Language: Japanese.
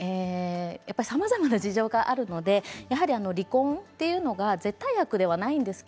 さまざまな事情があるので離婚というのが絶対悪ではないんです。